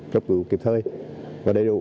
cấp cứu kịp thời và đầy đủ